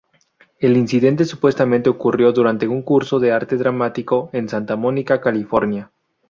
El incidente supuestamente ocurrió durante un curso de arte dramático en Santa Mónica, California.